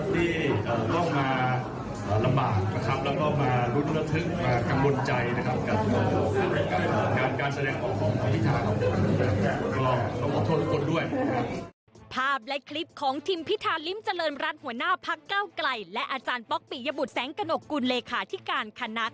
ที่จะต้องมาลำบากนะครับแล้วก็ต้องมารุ้นระทึกมากังวลใจนะครับ